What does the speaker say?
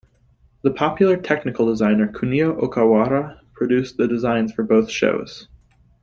The popular technical designer Kunio Okawara produced the designs for both shows.